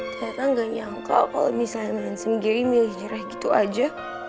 tata gak nyangka kalo misalnya mansum gary milih nyerah gitu aja